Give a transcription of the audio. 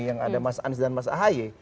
yang ada mas anies dan mas ahaye